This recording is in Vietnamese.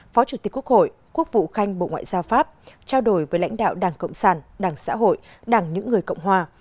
phó chủ tịch quốc hội quốc vụ khanh bộ ngoại giao pháp trao đổi với lãnh đạo đảng cộng sản đảng xã hội đảng những người cộng hòa